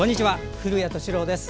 古谷敏郎です。